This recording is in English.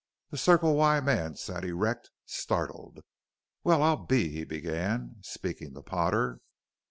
The Circle Y man sat erect, startled. "Well, I'll be " he began, speaking to Potter.